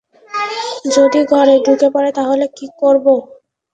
যদি ঘরে ঢুকে পড়ে তাহলে কি করবো?